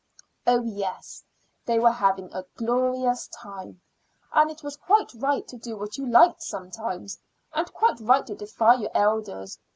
Oh, yes, they were having a glorious time; and it was quite right to do what you liked sometimes, and quite right to defy your elders.